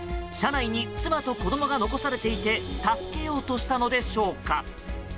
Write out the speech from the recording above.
車内に妻と子供が残されていて助けようとしたのでしょうか。